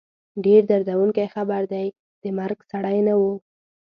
ډېر دردوونکی خبر دی، د مرګ سړی نه وو